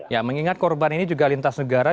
ya mengingat korban ini juga lintas negara